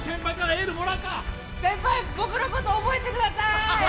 先輩、僕のこと覚えてくださーい。